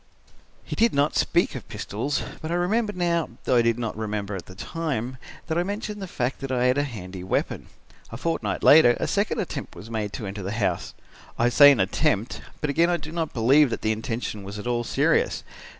"He did not speak of pistols, but I remember now, though I did not remember at the time, that I mentioned the fact that I had a handy weapon. A fortnight later a second attempt was made to enter the house. I say an attempt, but again I do not believe that the intention was at all serious.